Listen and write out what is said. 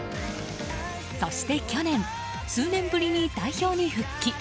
そして去年数年ぶりに代表に復帰。